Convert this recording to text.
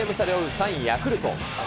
３位ヤクルト。